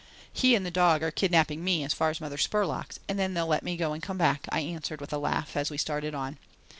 "He and the dog are kidnapping me as far as Mother Spurlock's, and then they'll let me go and come back," I answered, with a laugh, as we started on.